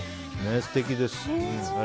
素敵です。